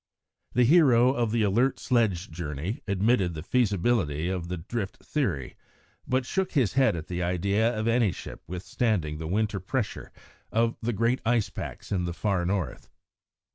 The hero of the Alert sledge journey admitted the feasibility of the drift theory, but shook his head at the idea of any ship withstanding the winter pressure of the great ice packs in the far North.